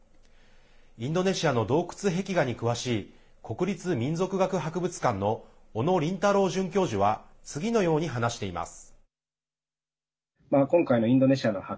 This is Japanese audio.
インドネシアの洞窟壁画に詳しい国立民族学博物館の小野林太郎准教授は次のように話しています。